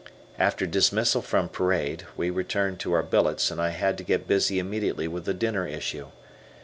After dismissal from parade, we returned to our billets, and I had to get busy immediately with the dinner issue.